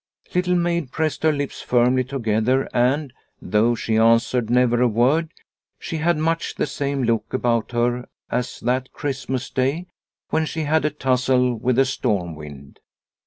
Little Maid pressed her lips firmly together and, though she an swered never a word, she had much the same look about her as that Christmas Day when she had a tussle with the storm wind.